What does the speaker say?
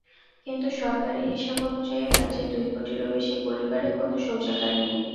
কিন্তু সরকারি হিসাব অনুযায়ী রাজ্যে দুই কোটিরও বেশি পরিবারে কোনো শৌচাগার নেই।